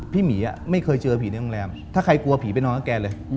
หมีไม่เคยเจอผีในโรงแรมถ้าใครกลัวผีไปนอนกับแกเลย